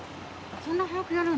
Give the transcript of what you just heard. そんな早くやるの？